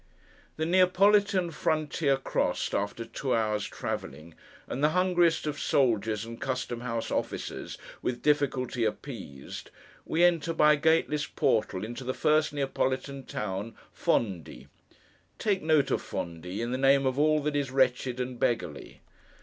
The Neapolitan frontier crossed, after two hours' travelling; and the hungriest of soldiers and custom house officers with difficulty appeased; we enter, by a gateless portal, into the first Neapolitan town—Fondi. Take note of Fondi, in the name of all that is wretched and beggarly.